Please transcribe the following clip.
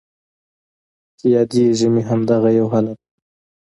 چې یادیږي مې همدغه یو حالت دی